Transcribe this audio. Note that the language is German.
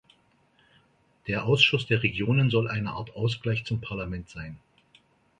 Der Ausschuss der Regionen soll eine Art Ausgleich zum Parlament sein.